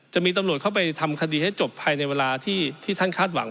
จะมีตำรวจเข้าไปทำคดีให้จบภายในเวลาที่ท่านคาดหวัง